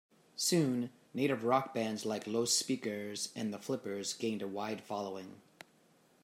Soon, native rock bands like Los Speakers and The Flippers gained a wide following.